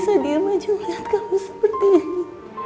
saya diam saja melihat kamu seperti ini